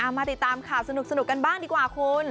มาติดตามข่าวสนุกกันบ้างดีกว่าคุณ